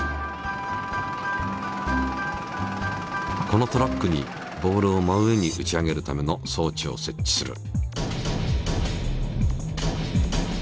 このトラックにボールを真上に打ち上げるための装置を設置する。